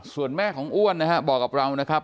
ส่วนแม่ของอ้วนนะฮะบอกกับเรานะครับ